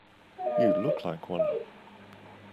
You look like one.